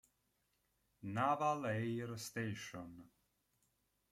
Naval Air Station".